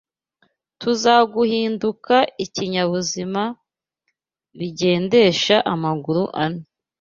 tuza guhinduka ibinyabuzima bigendesha amaguru ane